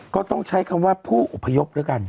ก็ต้องใช้คำว่าผู้อพยพด้วยกัน